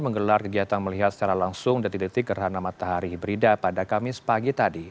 menggelar kegiatan melihat secara langsung detik detik gerhana matahari hibrida pada kamis pagi tadi